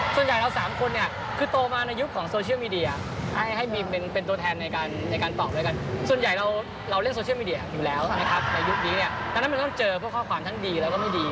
แต่ในยุคนี้ตอนนั้นมันต้องเจอเพื่อข้อความทั้งดีแล้วก็ไม่ดี